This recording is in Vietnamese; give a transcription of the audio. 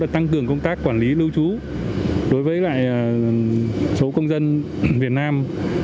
tăng cường công tác quản lý lưu trú đối với số công dân việt nam